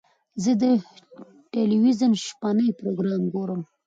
زه د تلویزیون شپهني پروګرام ګورم.